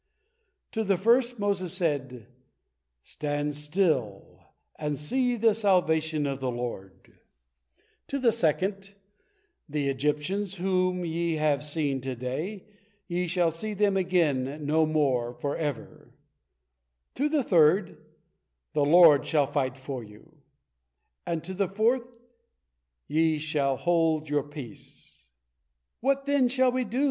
To the first Moses said, "Stand still, and see the salvation of the Lord;" to the second, "The Egyptians whom ye have seen to day, ye shall see them again no more forever;" to the third, "The Lord shall fight for you;" and to the fourth, "Ye shall hold your peace." "What, then, shall we do?"